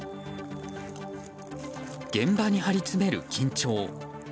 現場に張り詰める緊張。